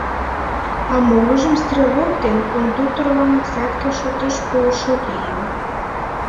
А молыжым стрелок ден кондукторлан взятке шотеш пуышо лийын.